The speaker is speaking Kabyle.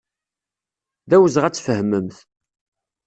D awezɣi ad tfehmemt.